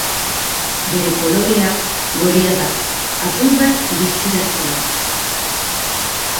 Bere kolorea gorria da, apur bat distiratsua.